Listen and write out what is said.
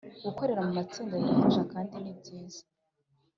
– Gukorera mu matsinda birafasha kandi ni byiza